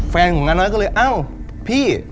แฟนของน้าน้อยก็เลยเอ้าพี่